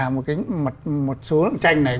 một số tranh này